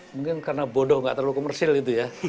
mungkin karena bodoh nggak terlalu komersil itu ya